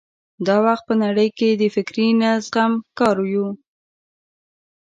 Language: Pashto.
دا وخت په نړۍ کې د فکري نه زغم ښکار یو.